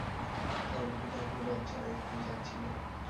তো, আমাদের ধারণা বাচ্চারা এখানে যাচ্ছিল।